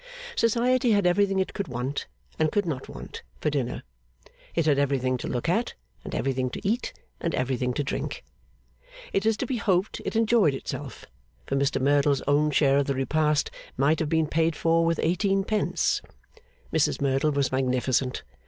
Society had everything it could want, and could not want, for dinner. It had everything to look at, and everything to eat, and everything to drink. It is to be hoped it enjoyed itself; for Mr Merdle's own share of the repast might have been paid for with eighteenpence. Mrs Merdle was magnificent.